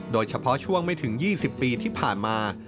โดยเฉพาะช่วงไม่ถึง๒๐ปีที่ผ่านมา